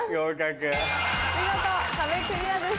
見事壁クリアです。